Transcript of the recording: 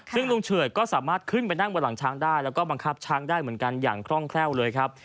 ซึ่งลุงเฉิดก็สามารถขึ้นไปนั่งบนหลังช้างได้แล้วก็บังคับช้างได้เหมือนกันอย่างคร่องแคล่วเลยครับ